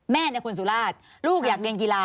แม่คุณสุราชลูกอยากเรียนกีฬา